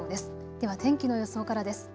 では天気の予想からです。